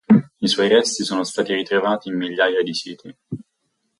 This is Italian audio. I suoi resti sono stati ritrovati in migliaia di siti.